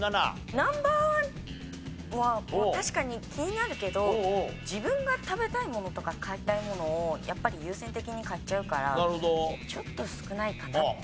Ｎｏ．１は確かに気になるけど自分が食べたいものとか買いたいものをやっぱり優先的に買っちゃうからちょっと少ないかなって。